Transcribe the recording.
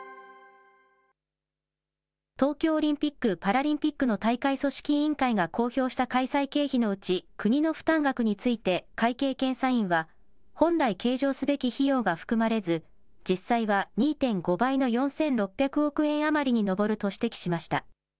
東京オリンピック・パラリンピックの大会組織委員会が公表した開催経費のうち、国の負担額について会計検査院は、本来計上すべき費用が含まれず、実際は２．５倍の４６００億円余りに上ると指摘しました。